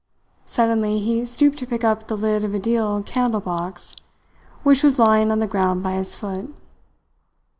Suddenly he stooped to pick up the lid of a deal candle box which was lying on the ground by his foot.